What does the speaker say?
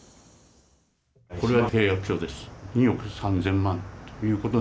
これは契約書です。